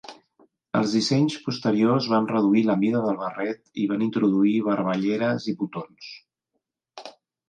Els dissenys posteriors van reduir la mida del barret i van introduir barballeres i botons.